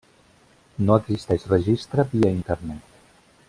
No existeix registre via internet.